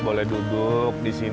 boleh duduk di sini